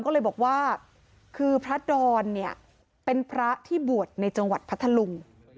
ก็เลยบอกว่าคือพระดอนเนี่ยเป็นพระที่บวชในจังหวัดพัทธลุง